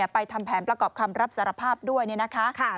ทำแผนประกอบคำรับสารภาพด้วยเนี่ยนะคะ